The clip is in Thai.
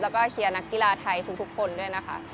แล้วก็เชียร์นักกีฬาไทยทุกคนด้วยนะคะ